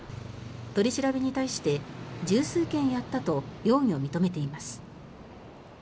取り調べに対して１０数件やったと容疑を認めています。